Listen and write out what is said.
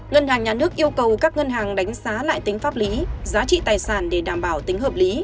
ngân hàng nhà nước yêu cầu các ngân hàng đánh giá lại tính pháp lý giá trị tài sản để đảm bảo tính hợp lý